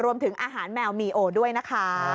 รวมถึงอาหารแมวมีโอด้วยนะคะ